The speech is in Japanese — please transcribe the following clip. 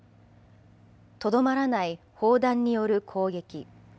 とどまらない砲弾による攻撃。